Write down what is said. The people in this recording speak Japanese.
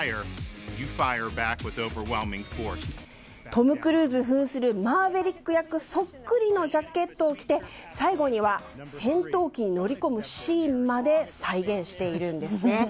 トム・クルーズ扮するマーヴェリック役そっくりのジャケットを着て、最後には戦闘機に乗り込むシーンまで再現しているんですね。